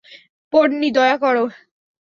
পোন্নি, দয়া করো।